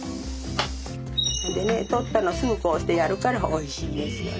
ほいでねとったのすぐこうしてやるからおいしいですよね。